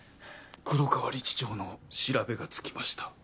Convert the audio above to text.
黒川理事長の調べがつきました。